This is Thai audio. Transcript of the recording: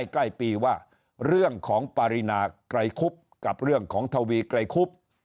ใกล้ปีว่าเรื่องของปรินาไกรคุบกับเรื่องของทวีไกรคุบ